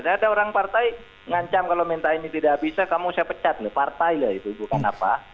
tidak ada orang partai ngancam kalau minta ini tidak bisa kamu saya pecat nih partai lah itu bukan apa